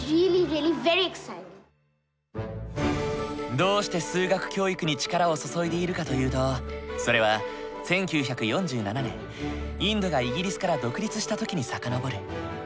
どうして数学教育に力を注いでいるかというとそれは１９４７年インドがイギリスから独立した時に遡る。